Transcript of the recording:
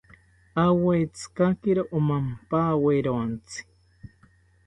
Awetzikakiro omampawerontzi